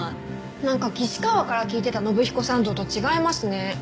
なんか岸川から聞いてた信彦さん像と違いますね。